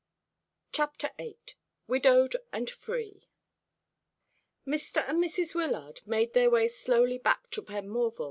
CHAPTER VIII. WIDOWED AND FREE. Mr. and Mrs. Wyllard made their way slowly back to Penmorval.